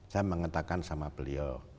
saya mengatakan sama beliau